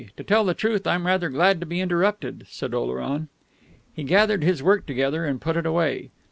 To tell the truth, I'm rather glad to be interrupted," said Oleron. He gathered his work together and put it away.